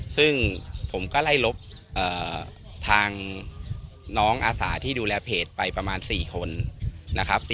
ซึ่งผมก็ไล่ลบทางน้องอาสาที่ดูแลเพจไปประมาณ๔คนนะครับ